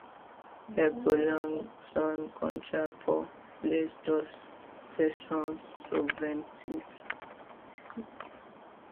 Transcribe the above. Il prolonge son contrat pour les deux saisons suivantes.